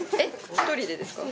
１人でですか？